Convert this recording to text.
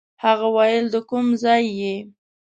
هغه ویل د کوم ځای یې.